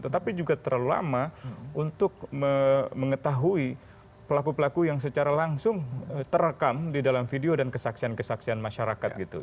tetapi juga terlalu lama untuk mengetahui pelaku pelaku yang secara langsung terekam di dalam video dan kesaksian kesaksian masyarakat gitu